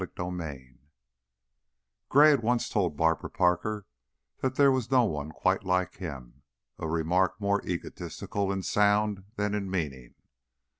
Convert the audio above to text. CHAPTER XXIV Gray had once told Barbara Parker that there was no one quite like him a remark more egotistical in the sound than in the meaning.